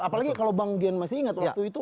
apalagi kalau bang dian masih ingat waktu itu